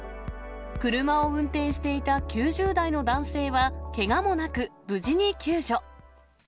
車を運転していた９０代の男性はけがもなく、無事に救助。